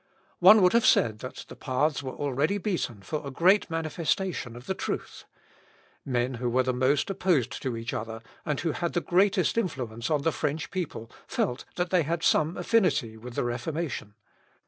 One would have said that the paths were already beaten for a great manifestation of the truth. Men who were the most opposed to each other, and who had the greatest influence on the French people, felt that they had some affinity with the Reformation.